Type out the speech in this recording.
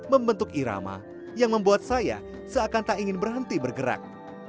membentuk irama yang membuat saya seakan tak ingin berhenti bergerak